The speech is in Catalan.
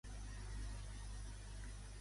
Quina cosa demana Rivera al ministre?